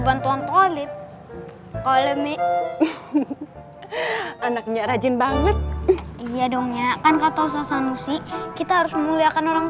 bantuan tolip oleh anaknya rajin banget iya dong ya kan kata usaha nusi kita harus muliakan orang